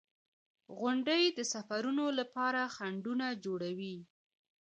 • غونډۍ د سفرونو لپاره خنډونه جوړوي.